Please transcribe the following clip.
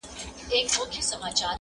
راوړئ پلار مي په رضا وي که په زوره،